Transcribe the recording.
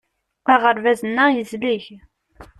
Aɣerbaz-nneɣ yezleg.